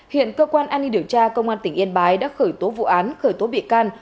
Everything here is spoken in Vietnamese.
hiện cơ quan an ninh điều tra công an tỉnh yên bái đã khởi tố vụ án khởi tố bị can